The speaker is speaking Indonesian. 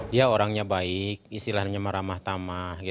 dia orangnya baik istilahnya meramah tamah